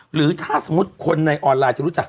หรือถ้าสมมุติคนในออนไลน์จะรู้จัก